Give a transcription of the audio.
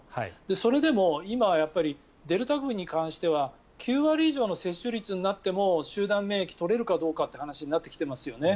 それでも今はデルタ株に関しては９割以上の接種率になっても集団免疫が取れるかという話になってきていますよね。